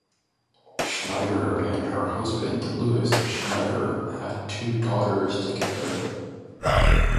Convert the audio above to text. Schneider and her husband Lewis Schneider had two daughters together.